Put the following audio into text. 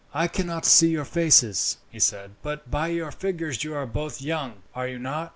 "I cannot see your faces," he said; "but by your figures you are both young, are you not?"